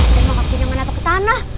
dia mah yakin gak nabak ke tanah